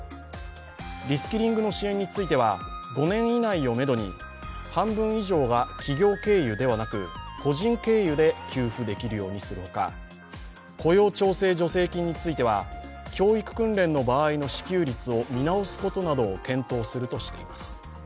リスキリングの支援については５年以内をめどに半分以上が企業経由ではなく個人経由で給付できるようにするほか雇用調整助成金については教育訓練の場合の支給率を見直すことなどを検討するとしています。